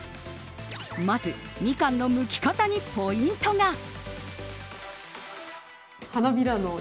まず、みかんのむき方にポイントが。